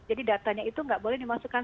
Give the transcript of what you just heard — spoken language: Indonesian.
jadi datanya itu nggak boleh dimasukkan